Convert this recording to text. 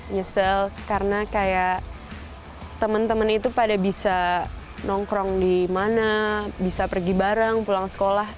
nyesel karena kayak teman teman itu pada bisa nongkrong di mana bisa pergi bareng pulang sekolah